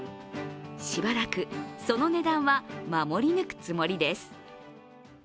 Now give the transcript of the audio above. しばらくその値段は守り抜くつもりです。